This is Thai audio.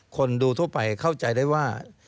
คนดูทั่วไปเข้าใจได้ว่า